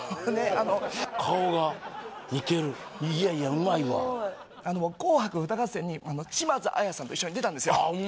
あのいやいやうまいわすごいあの僕「紅白歌合戦」にあの島津亜矢さんと一緒に出たんですよ